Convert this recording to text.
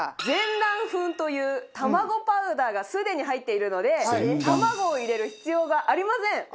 全卵粉という卵パウダーがすでに入っているので卵を入れる必要がありません。